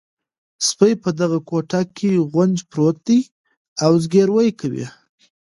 سپي په دغه کوټه کې غونج پروت دی او زګیروی کوي.